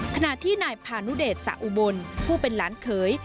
ขณะที่นายพานุเดชสะอุบลผู้เป็นหลานเขย